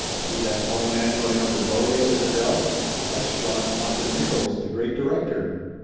"See that tall man going out the doorway?" says Adele. "That's John Austin Nickolls, the great di rector."